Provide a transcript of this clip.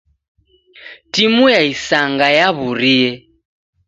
Timu ya isanga yaw'urie.